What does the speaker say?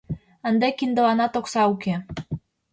Ынде киндыланат окса уке.